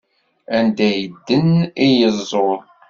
Anda yedden i yeẓẓul.